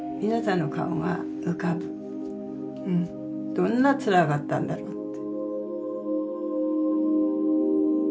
どんなつらかったんだろうって。